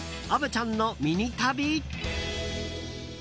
虻ちゃんのミニ旅。